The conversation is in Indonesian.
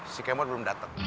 si k mod belum datang